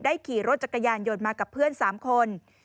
ขี่รถจักรยานยนต์มากับเพื่อน๓คน